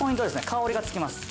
香りがつきます